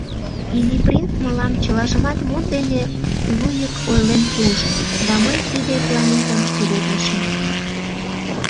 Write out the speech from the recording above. Изи принц мылам чылажымат мут дене луйык ойлен пуыш, да мый тиде планетым сӱретлышым.